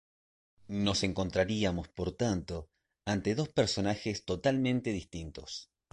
Nos encontraríamos por tanto ante dos personajes totalmente distintos.